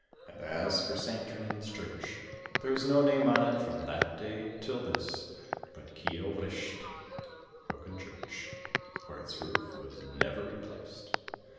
And as for St. Trinian's Church, there is no name on it from that day till this but Keeill Vrisht Broken Church for its roof was never replaced.